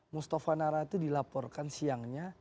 mustafa nara itu dilaporkan siangnya